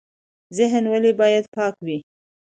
ذهن ولې باید پاک وي؟